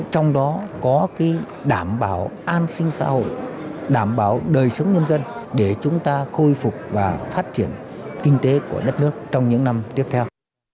trong đó có đảm bảo an sinh xã hội đảm bảo đời sống nhân dân để chúng ta khôi phục và phát triển kinh tế của đất nước trong những năm tiếp theo